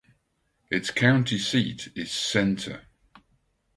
Its county seat is Center.